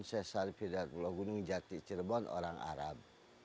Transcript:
saya sarif hidratullah gunung jati cirebon orang arab